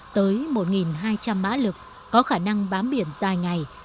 tới một hai trăm linh mã lực có khả năng bám biển dài ngày